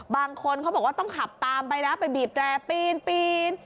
บางคนเขาบอกว่าต้องขับตามไปนะไปบีบแร่ปีน